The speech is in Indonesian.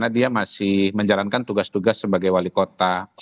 dia masih menjalankan tugas tugas sebagai wali kota